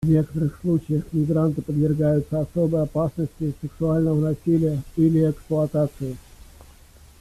В некоторых случаях мигранты подвергаются особой опасности сексуального насилия или эксплуатации.